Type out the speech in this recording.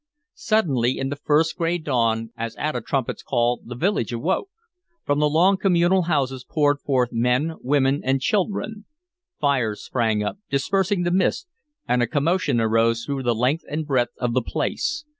Suddenly, in the first gray dawn, as at a trumpet's call, the village awoke. From the long, communal houses poured forth men, women, and children; fires sprang up, dispersing the mist, and a commotion arose through the length and breadth of the place.